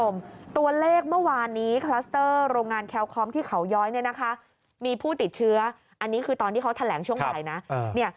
มีผู้ติดเชื้ออันนี้คือตอนที่เขาแถลงช่วงใหม่นะ